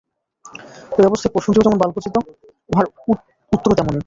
ঐ অবস্থায় প্রশ্নটিও যেমন বালকোচিত, উহার উত্তরও তেমনি।